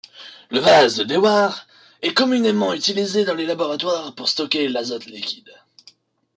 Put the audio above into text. Le vase de Dewar est communément utilisé dans les laboratoires pour stocker l'azote liquide.